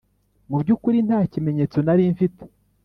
mu byukuri nta kimenyetso nari mfite.